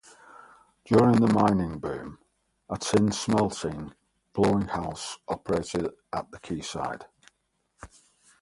During the mining boom, a tin-smelting blowing house operated at the quayside.